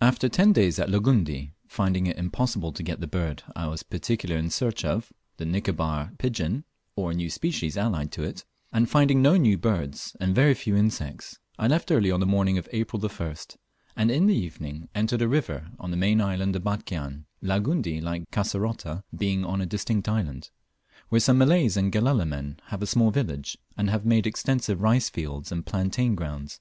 After ten days at Langundi, finding it impossible to get the bird I was particularly in search of (the Nicobar pigeon, or a new species allied to it), and finding no new birds, and very few insects, I left early on the morning of April 1st, and in the evening entered a river on the main island of Batchian (Langundi, like Kasserota, being on a distinct island), where some Malays and Galela men have a small village, and have made extensive rice fields and plantain grounds.